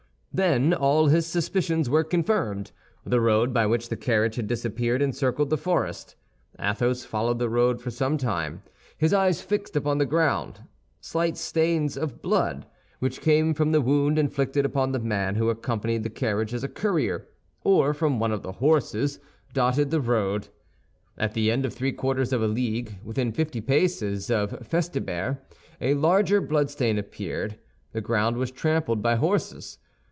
Then all his suspicions were confirmed; the road by which the carriage had disappeared encircled the forest. Athos followed the road for some time, his eyes fixed upon the ground; slight stains of blood, which came from the wound inflicted upon the man who accompanied the carriage as a courier, or from one of the horses, dotted the road. At the end of three quarters of a league, within fifty paces of Festubert, a larger bloodstain appeared; the ground was trampled by horses.